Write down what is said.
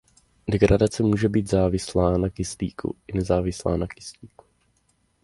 Degradace může být závislá na kyslíku i nezávislá na kyslíku.